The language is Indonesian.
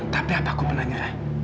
tapi apa aku pernah nyerah